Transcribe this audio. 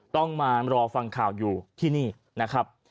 ต้องมารอฟังข่าวอยู่ที่นี่นะครับ